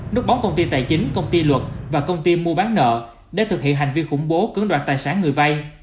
nút bóng công ty tài chính công ty luật và công ty mua bán nợ để thực hiện hành vi khủng bố cướng đoạt tài sản người vay